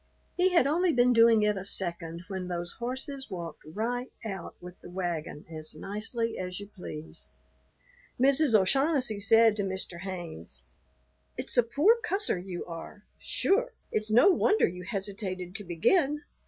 He had only been doing it a second when those horses walked right out with the wagon as nicely as you please. Mrs. O'Shaughnessy said to Mr. Haynes, "It's a poor cusser you are. Sure, it's no wonder you hesitated to begin.